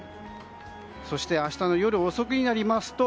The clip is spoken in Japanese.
そして明日の夜遅くになりますと